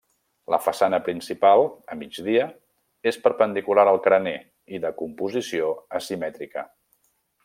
La façana principal, a migdia, és perpendicular al carener i de composició asimètrica.